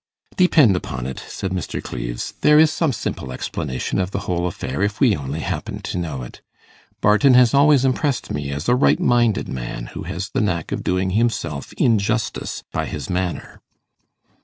'Depend upon it,' said Mr. Cleves, 'there is some simple explanation of the whole affair, if we only happened to know it. Barton has always impressed me as a right minded man, who has the knack of doing himself injustice by his manner.